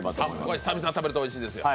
久々に食べるとおいしいんですよ。